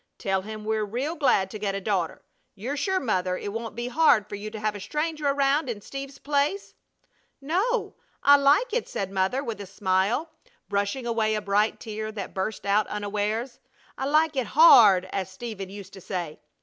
Tell him we're real glad to get a daughter. You're sure, Mother, it won't be hard for you to have a stranger around in Steve's place?" "No, I like it," said Mother, with a smile, brushing away a bright tear that burst out unawares. "I like it 'hard,' as Steve used to say!